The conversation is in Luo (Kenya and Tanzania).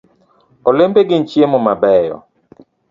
Olembe gin chiemo mabeyo .